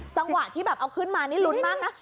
จังหวะที่เอาขึ้นมาลุ้นมากนะ